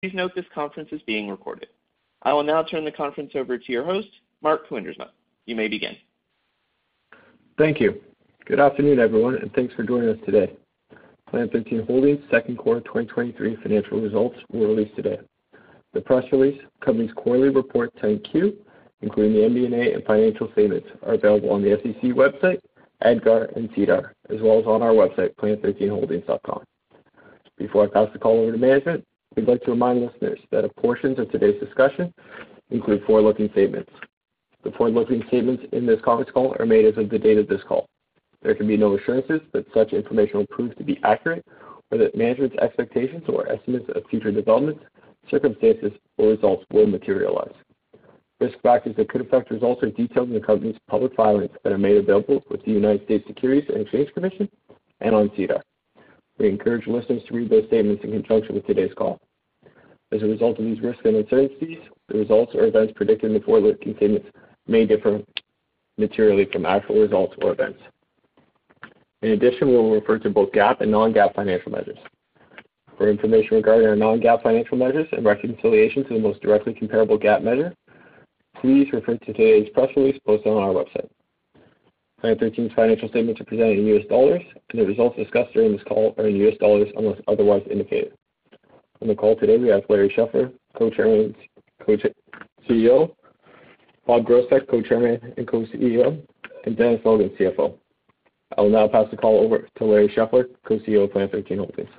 Please note this conference is being recorded. I will now turn the conference over to your host, Mark Kuindersma. You may begin. Thank you. Good afternoon, everyone, and thanks for joining us today. Planet 13 Holdings second quarter 2023 financial results were released today. The press release, company's quarterly report, 10-Q, including the MD&A and financial statements, are available on the SEC website, EDGAR, and SEDAR, as well as on our website, planet13holdings.com. Before I pass the call over to management, we'd like to remind listeners that a portions of today's discussion include forward-looking statements. The forward-looking statements in this conference call are made as of the date of this call. There can be no assurances that such information will prove to be accurate or that management's expectations or estimates of future developments, circumstances, or results will materialize. Risk factors that could affect results are detailed in the company's public filings that are made available with the United States Securities and Exchange Commission and on SEDAR. We encourage listeners to read those statements in conjunction with today's call. As a result of these risks and uncertainties, the results or events predicted in the forward-looking statements may differ materially from actual results or events. In addition, we will refer to both GAAP and non-GAAP financial measures. For information regarding our non-GAAP financial measures and reconciliation to the most directly comparable GAAP measure, please refer to today's press release posted on our website. Planet 13's financial statements are presented in U.S. dollars, and the results discussed during this call are in U.S. dollars, unless otherwise indicated. On the call today, we have Larry Scheffler, Co-Chairman and Co-CEO, Bob Groesbeck, Co-Chairman and Co-CEO, and Dennis Logan, CFO. I will now pass the call over to Larry Scheffler, Co-CEO of Planet 13 Holdings.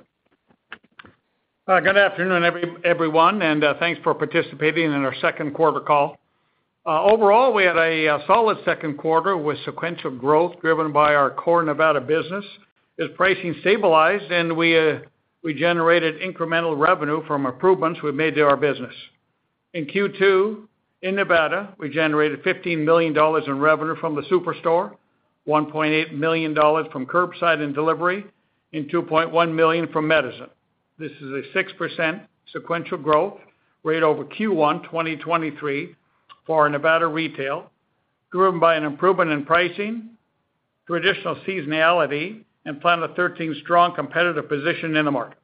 Good afternoon, everyone, and thanks for participating in our second quarter call. Overall, we had a solid second quarter with sequential growth driven by our core Nevada business, as pricing stabilized and we generated incremental revenue from improvements we've made to our business. In Q2, in Nevada, we generated $15 million in revenue from the superstore, $1.8 million from curbside and delivery, and $2.1 million from Medizin. This is a 6% sequential growth rate over Q1 2023 for Nevada retail, driven by an improvement in pricing, traditional seasonality, and Planet 13's strong competitive position in the market.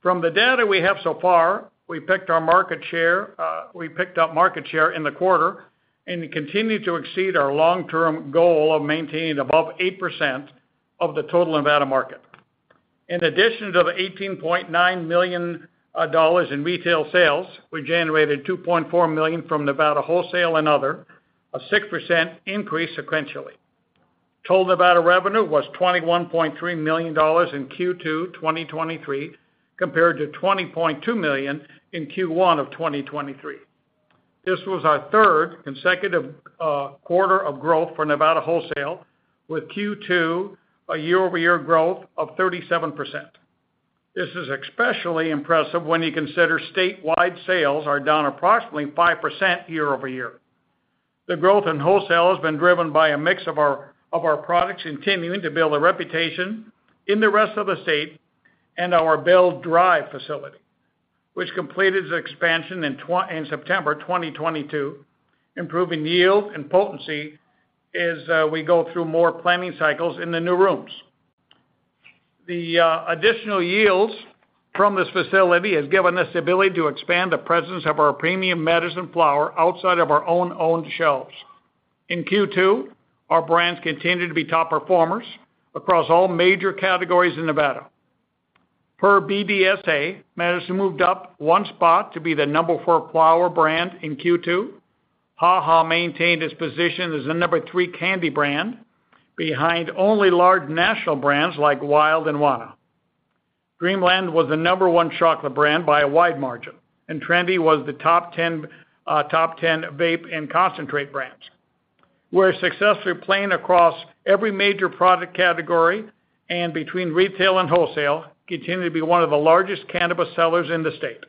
From the data we have so far, we picked up market share in the quarter and continued to exceed our long-term goal of maintaining above 8% of the total Nevada market. In addition to the $18.9 million dollars in retail sales, we generated $2.4 million from Nevada wholesale and other, a 6% increase sequentially. Total Nevada revenue was $21.3 million dollars in Q2 2023, compared to $20.2 million in Q1 of 2023. This was our third consecutive quarter of growth for Nevada wholesale, with Q2 a year-over-year growth of 37%. This is especially impressive when you consider statewide sales are down approximately 5% year-over-year. The growth in wholesale has been driven by a mix of our, of our products continuing to build a reputation in the rest of the state and our bud-dry facility, which completed its expansion in September 2022, improving yield and potency as we go through more planning cycles in the new rooms. The additional yields from this facility has given us the ability to expand the presence of our premium Medizin flower outside of our own owned shelves. In Q2, our brands continued to be top performers across all major categories in Nevada. Per BDSA, Medizin moved up 1 spot to be the number four flower brand in Q2. HaHa maintained its position as the number three candy brand, behind only large national brands like Wyld and Wana. Dreamland was the number one chocolate brand by a wide margin, and TRENDI was the top 10 vape and concentrate brands. We're successfully playing across every major product category, and between retail and wholesale, continue to be one of the largest cannabis sellers in the state.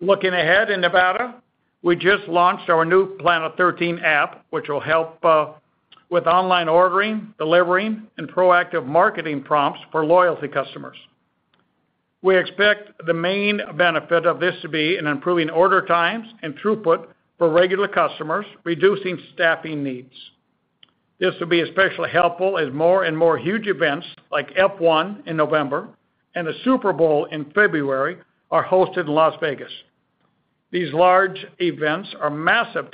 Looking ahead in Nevada, we just launched our new Planet 13 app, which will help with online ordering, delivery, and proactive marketing prompts for loyalty customers. We expect the main benefit of this to be in improving order times and throughput for regular customers, reducing staffing needs. This will be especially helpful as more and more huge events, like F1 in November and the Super Bowl in February, are hosted in Las Vegas. These large events are massive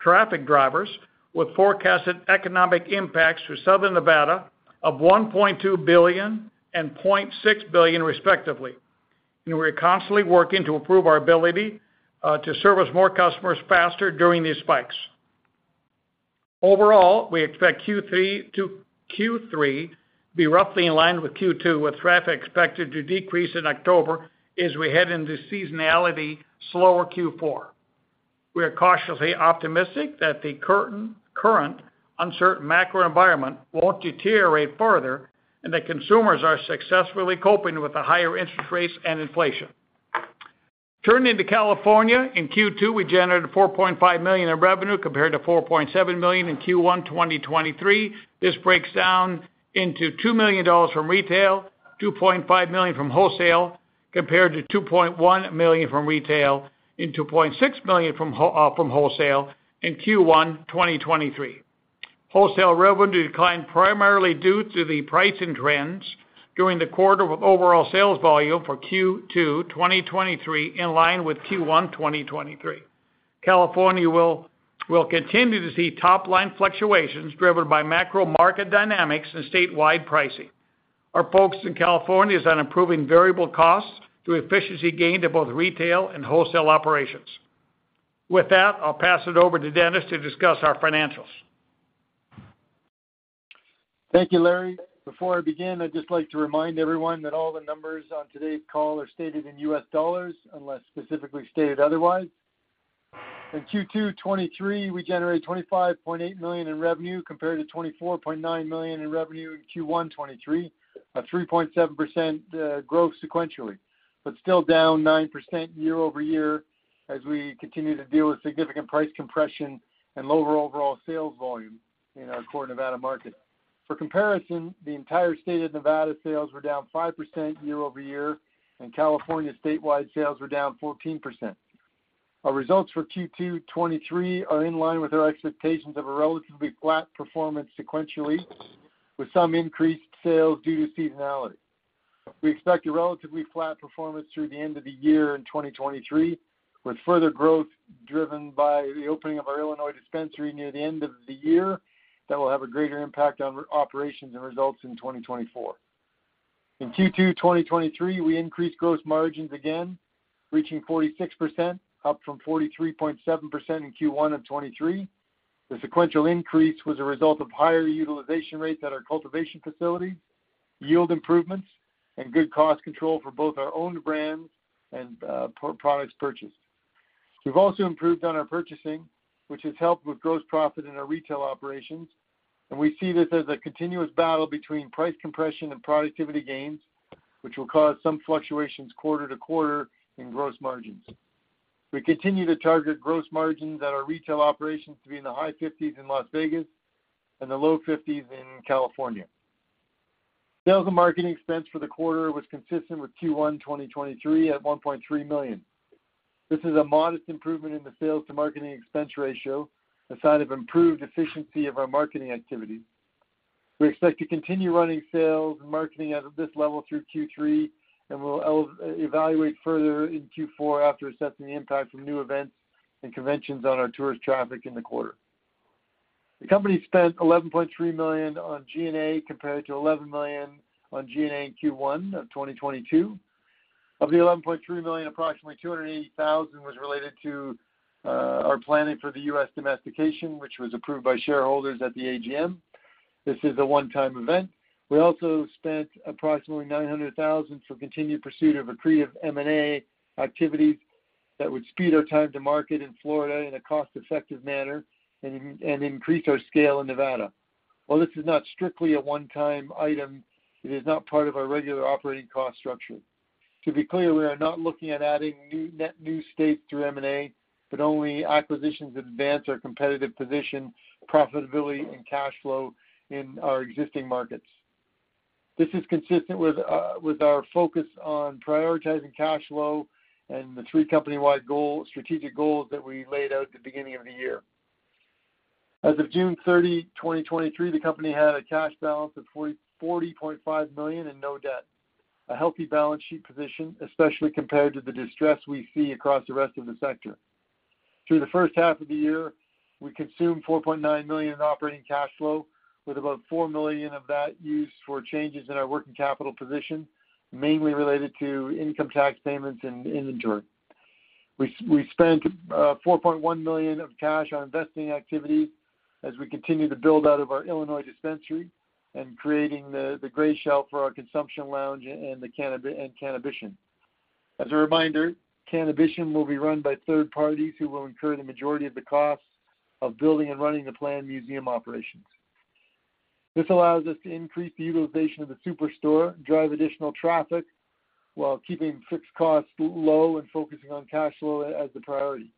traffic drivers, with forecasted economic impacts for southern Nevada of $1.2 billion and $0.6 billion, respectively. We're constantly working to improve our ability to service more customers faster during these spikes. Overall, we expect Q3 to be roughly in line with Q2, with traffic expected to decrease in October as we head into seasonality slower Q4. We are cautiously optimistic that the current, current uncertain macro environment won't deteriorate further and that consumers are successfully coping with the higher interest rates and inflation. Turning to California, in Q2, we generated $4.5 million in revenue, compared to $4.7 million in Q1, 2023. This breaks down into $2 million from retail, $2.5 million from wholesale, compared to $2.1 million from retail and $2.6 million from wholesale in Q1, 2023. Wholesale revenue declined primarily due to the pricing trends during the quarter, with overall sales volume for Q2 2023 in line with Q1 2023. California will continue to see top-line fluctuations driven by macro market dynamics and statewide pricing. Our folks in California are on improving variable costs through efficiency gained at both retail and wholesale operations. With that, I'll pass it over to Dennis to discuss our financials. Thank you, Larry. Before I begin, I'd just like to remind everyone that all the numbers on today's call are stated in U.S. dollars, unless specifically stated otherwise. In Q2 2023, we generated $25.8 million in revenue, compared to $24.9 million in revenue in Q1 2023, a 3.7% growth sequentially, but still down 9% year-over-year, as we continue to deal with significant price compression and lower overall sales volume in our core Nevada market. For comparison, the entire state of Nevada's sales were down 5% year-over-year, and California statewide sales were down 14%. Our results for Q2 2023 are in line with our expectations of a relatively flat performance sequentially, with some increased sales due to seasonality. We expect a relatively flat performance through the end of the year in 2023, with further growth driven by the opening of our Illinois dispensary near the end of the year that will have a greater impact on operations and results in 2024. In Q2 2023, we increased gross margins again, reaching 46%, up from 43.7% in Q1 of 2023. The sequential increase was a result of higher utilization rates at our cultivation facilities, yield improvements, and good cost control for both our owned brands and products purchased. We've also improved on our purchasing, which has helped with gross profit in our retail operations, and we see this as a continuous battle between price compression and productivity gains, which will cause some fluctuations quarter to quarter in gross margins. We continue to target gross margins at our retail operations to be in the high 50s in Las Vegas and the low 50s in California. Sales and marketing expense for the quarter was consistent with Q1 2023, at $1.3 million. This is a modest improvement in the sales-to-marketing expense ratio, a sign of improved efficiency of our marketing activities. We expect to continue running sales and marketing at this level through Q3, and we'll evaluate further in Q4 after assessing the impact from new events and conventions on our tourist traffic in the quarter. The company spent $11.3 million on G&A, compared to $11 million on G&A in Q1 of 2022. Of the $11.3 million, approximately $280,000 was related to our planning for the Nevada Domestication, which was approved by shareholders at the AGM. This is a one-time event. We also spent approximately $900,000 for continued pursuit of accretive M&A activities that would speed our time to market in Florida in a cost-effective manner and increase our scale in Nevada. While this is not strictly a one-time item, it is not part of our regular operating cost structure. To be clear, we are not looking at adding new states through M&A, but only acquisitions that advance our competitive position, profitability, and cash flow in our existing markets. This is consistent with our focus on prioritizing cash flow and the three company-wide goals, strategic goals that we laid out at the beginning of the year. As of June 30, 2023, the company had a cash balance of $40.5 million and no debt, a healthy balance sheet position, especially compared to the distress we see across the rest of the sector. Through the first half of the year, we consumed $4.9 million in operating cash flow, with about $4 million of that used for changes in our working capital position, mainly related to income tax payments in, in New Jersey. We, we spent $4.1 million of cash on investing activities as we continue to build out of our Illinois dispensary and creating the gray shell for our consumption lounge and Cannabition. As a reminder, Cannabition will be run by third parties, who will incur the majority of the costs of building and running the planned museum operations. This allows us to increase the utilization of the superstore, drive additional traffic, while keeping fixed costs low and focusing on cash flow as the priority.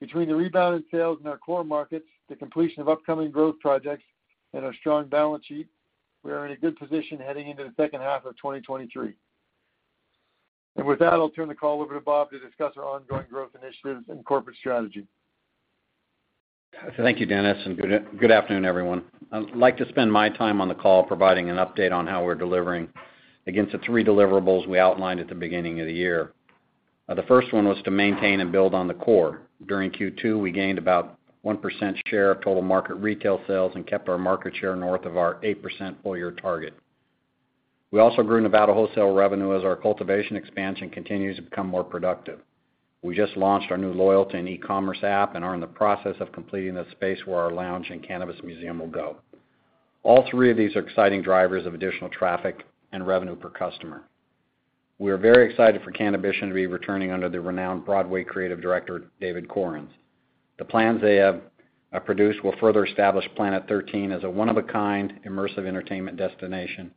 Between the rebounded sales in our core markets, the completion of upcoming growth projects, and our strong balance sheet, we are in a good position heading into the second half of 2023. With that, I'll turn the call over to Bob to discuss our ongoing growth initiatives and corporate strategy. Thank you, Dennis, and good afternoon, everyone. I'd like to spend my time on the call providing an update on how we're delivering against the three deliverables we outlined at the beginning of the year. The first one was to maintain and build on the core. During Q2, we gained about 1% share of total market retail sales and kept our market share north of our 8% full-year target. We also grew Nevada wholesale revenue as our cultivation expansion continues to become more productive. We just launched our new loyalty and e-commerce app and are in the process of completing the space where our lounge and cannabis museum will go. All three of these are exciting drivers of additional traffic and revenue per customer. We are very excited for Cannabition to be returning under the renowned Broadway creative director, David Korins. The plans they have produced will further establish Planet 13 as a one-of-a-kind, immersive entertainment destination,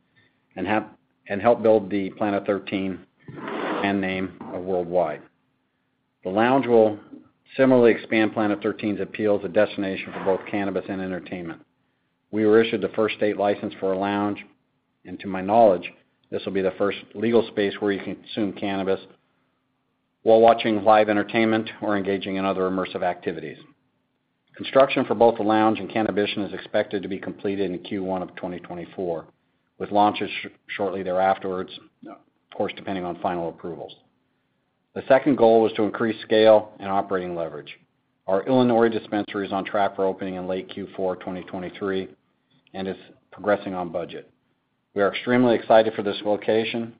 and have-- and help build the Planet 13 brand name worldwide. The lounge will similarly expand Planet 13's appeal as a destination for both cannabis and entertainment. We were issued the first state license for a lounge, and to my knowledge, this will be the first legal space where you can consume cannabis... while watching live entertainment or engaging in other immersive activities. Construction for both the lounge and Cannabition is expected to be completed in Q1 of 2024, with launches shortly thereafter, of course, depending on final approvals. The second goal was to increase scale and operating leverage. Our Illinois dispensary is on track for opening in late Q4 2023 and is progressing on budget. We are extremely excited for this location.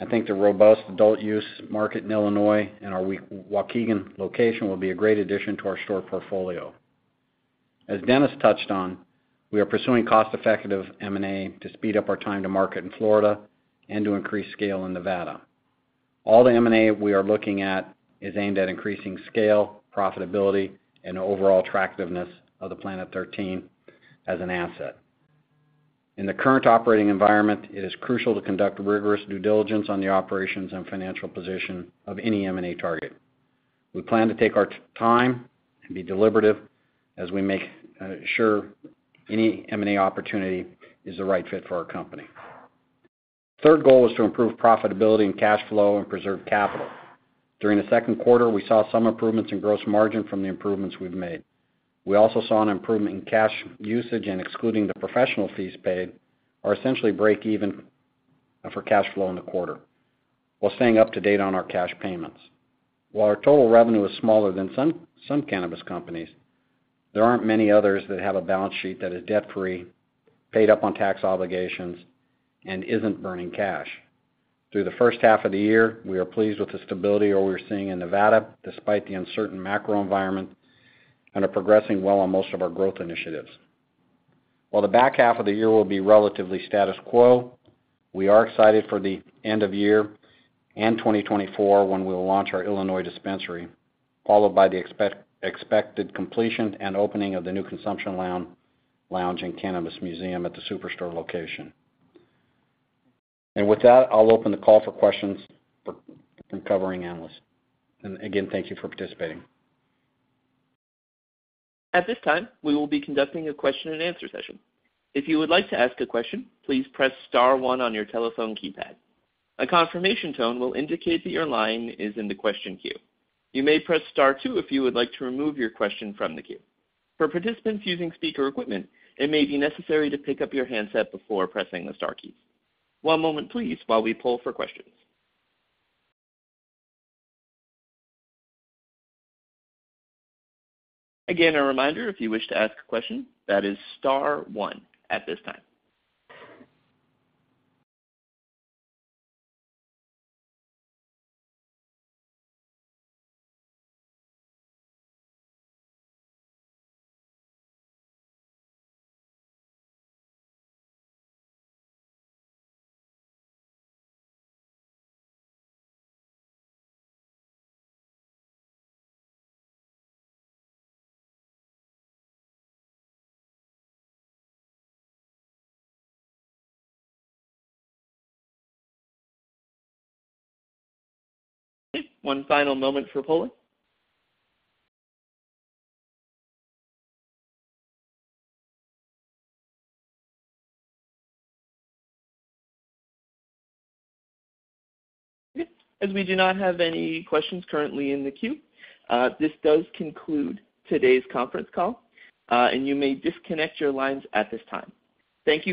I think the robust adult use market in Illinois and our Waukegan location will be a great addition to our store portfolio. As Dennis touched on, we are pursuing cost-effective M&A to speed up our time to market in Florida and to increase scale in Nevada. All the M&A we are looking at is aimed at increasing scale, profitability, and overall attractiveness of the Planet 13 as an asset. In the current operating environment, it is crucial to conduct rigorous due diligence on the operations and financial position of any M&A target. We plan to take our time and be deliberative as we make sure any M&A opportunity is the right fit for our company. Third goal is to improve profitability and cash flow and preserve capital. During the second quarter, we saw some improvements in gross margin from the improvements we've made. We also saw an improvement in cash usage, and excluding the professional fees paid, are essentially break-even for cash flow in the quarter, while staying up to date on our cash payments. While our total revenue is smaller than some, some cannabis companies, there aren't many others that have a balance sheet that is debt-free, paid up on tax obligations, and isn't burning cash. Through the first half of the year, we are pleased with the stability that we're seeing in Nevada, despite the uncertain macro environment, and are progressing well on most of our growth initiatives. While the back half of the year will be relatively status quo, we are excited for the end of year and 2024, when we will launch our Illinois dispensary, followed by the expected completion and opening of the new consumption lounge and cannabis museum at the superstore location. With that, I'll open the call for questions for covering analysts. Again, thank you for participating. At this time, we will be conducting a question-and-answer session. If you would like to ask a question, please press star one on your telephone keypad. A confirmation tone will indicate that your line is in the question queue. You may press star two if you would like to remove your question from the queue. For participants using speaker equipment, it may be necessary to pick up your handset before pressing the star keys. One moment, please, while we pull for questions. Again, a reminder, if you wish to ask a question, that is star one at this time. One final moment for polling. Okay. As we do not have any questions currently in the queue, this does conclude today's conference call, and you may disconnect your lines at this time. Thank you.